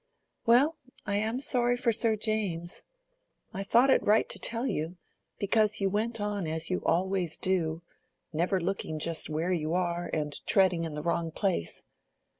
"Well, I am sorry for Sir James. I thought it right to tell you, because you went on as you always do, never looking just where you are, and treading in the wrong place.